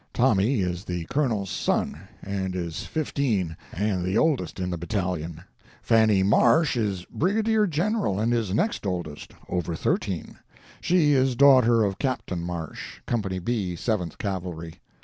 Tommy is the Colonel's son, and is fifteen and the oldest in the Battalion; Fanny Marsh is Brigadier General, and is next oldest—over thirteen. She is daughter of Captain Marsh, Company B, Seventh Cavalry.